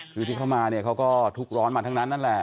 คือที่เขามาเนี่ยเขาก็ทุกข์ร้อนมาทั้งนั้นนั่นแหละ